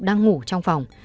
đang ngủ trong phòng